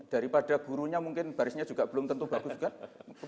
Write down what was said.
daripada gurunya mungkin barisnya juga belum tentu bagus juga